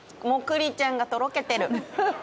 もうクリちゃんがとろけてる。